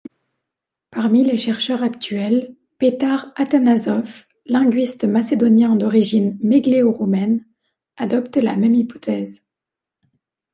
Parmi les chercheurs actuels, Petar Atanasov, linguiste macédonien d’origine mégléno-roumaine, adopte la même hypothèse.